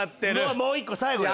もう一個最後よ。